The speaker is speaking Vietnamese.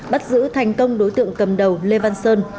bắt giữ thành công đối tượng cầm đầu lê văn sơn